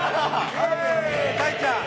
太ちゃん！